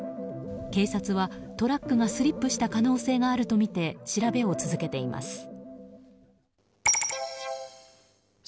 警察はトラックがスリップした可能性があるとみて調べを続けています。